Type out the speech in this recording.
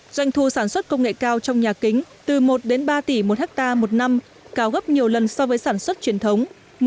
doanh thu sản xuất công nghệ cao trong nhà kính từ một đến ba tỷ một hectare một năm cao gấp nhiều lần so với sản xuất truyền thống